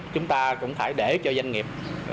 chúng ta cũng phải để cho doanh nghiệp